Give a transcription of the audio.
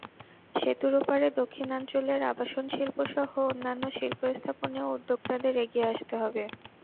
সেতুর ওপারে দক্ষিণাঞ্চলের আবাসনশিল্পসহ অন্যান্য শিল্প স্থাপনেও উদ্যোক্তাদের এগিয়ে আসতে হবে।